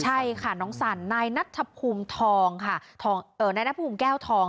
ใช่ค่ะน้องสันนายนัทพุมแก้วทอง